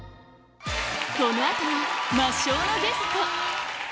この後は魔性のゲスト！